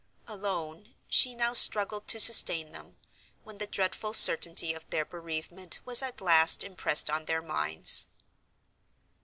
Alone, she now struggled to sustain them, when the dreadful certainty of their bereavement was at last impressed on their minds.